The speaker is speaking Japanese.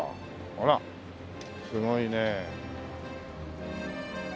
ほらすごいね。